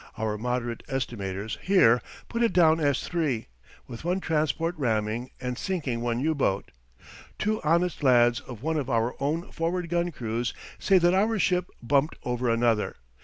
Our moderate estimators here put it down as three, with one transport ramming and sinking one U boat. Two honest lads of one of our own forward gun crews say that our ship bumped over another.